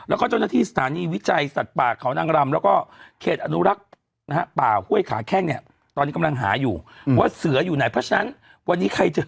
อันนี้เสือป่าหรือเสือเลี้ยงเสือป่าหรอ